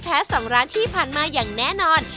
๒ร้านที่ผ่านมาอย่างแน่นอน